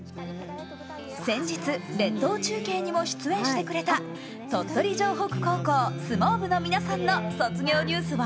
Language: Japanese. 先日、列島中継にも出演してくれた鳥取城北高校相撲部の皆さんの卒業ニュースは